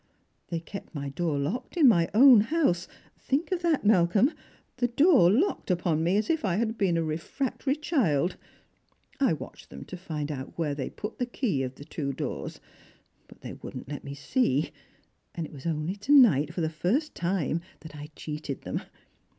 They kept iny door locked in my own house — think of that, Malcolm — the door locked upon me as if I had been a re fractory child ! I watched them to find out where they put the keys of the two doors. But they would not let me see, and it was only to night for the first time that I cheated them.